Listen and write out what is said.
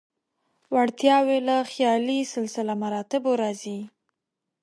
وړتیاوې له خیالي سلسله مراتبو راځي.